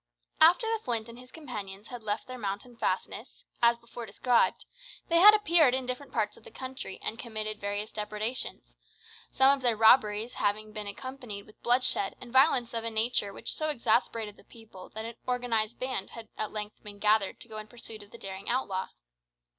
After the Flint and his companions had left their mountain fastness, as before described, they had appeared in different parts of the country and committed various depredations; some of their robberies having been accompanied with bloodshed and violence of a nature which so exasperated the people that an organised band had at length been gathered to go in pursuit of the daring outlaw.